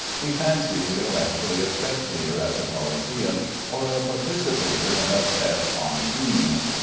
We fancy we are actually a spectator at the Colosseum or a participator in a fête intime.